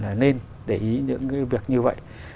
là nên để ý những cái việc như vậy